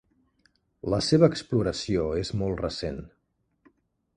La seva exploració és molt recent.